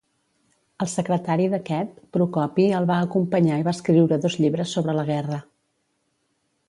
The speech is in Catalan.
El secretari d'aquest, Procopi el va acompanyar i va escriure dos llibres sobre la guerra.